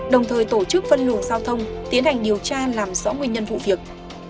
đồng thời tổ chức phân luồng giao thông tiến hành điều tra làm rõ nguyên nhân vụ việc